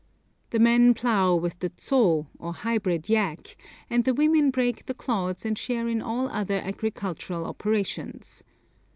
The men plough with the zho, or hybrid yak, and the women break the clods and share in all other agricultural operations.